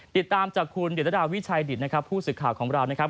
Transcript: ติดตามจากคุณเดรดาวิชัยดิตนะครับผู้สื่อข่าวของเรานะครับ